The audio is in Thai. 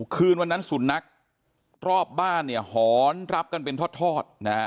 คืนวันนั้นศูนย์นักษ์รอบบ้านหออนรับกันเป็นทอด